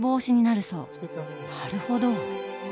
なるほど！